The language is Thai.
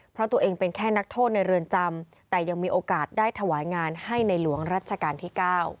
เพราะตัวเองเป็นแค่นักโทษในเรือนจำแต่ยังมีโอกาสได้ถวายงานให้ในหลวงรัชกาลที่๙